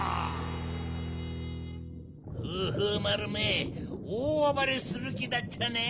フーフーまるめおおあばれするきだっちゃね。